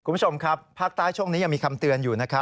คุณผู้ชมครับภาคใต้ช่วงนี้ยังมีคำเตือนอยู่นะครับ